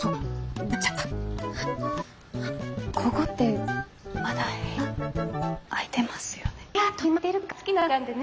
こごってまだ部屋空いてますよね？